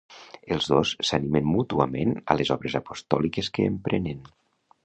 Els dos s'animen mútuament a les obres apostòliques que emprenen.